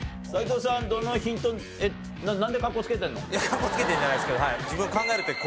かっこつけてるんじゃないんですけど自分。